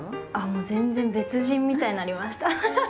全然別人みたいになりました。